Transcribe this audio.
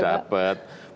dapat bukan itu